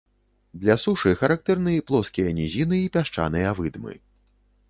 Для сушы характэрны плоскія нізіны і пясчаныя выдмы.